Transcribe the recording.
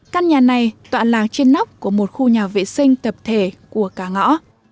căn nhà này toàn là trên nóc của một khu nhà vệ sinh tập thể của cả ngõ